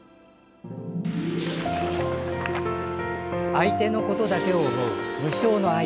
相手のことだけを思う無償の愛。